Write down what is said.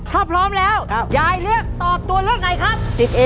ถ้าพร้อมแล้วยายเลือกตอบตัวเลือกไหนครับ